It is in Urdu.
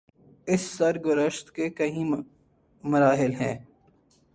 اس سرگزشت کے کئی مراحل ہیں۔